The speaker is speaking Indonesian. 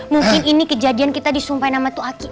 mungkin ini kejadian kita disumpah nama tuh aki